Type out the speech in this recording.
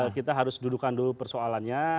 kita harus dudukan dulu persoalannya